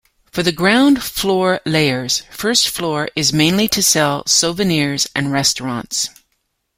For the ground floor layers, first floor is mainly to sell souvenirs and restaurants.